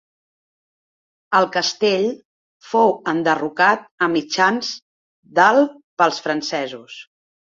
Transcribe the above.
El castell fou enderrocat a mitjans del pels francesos.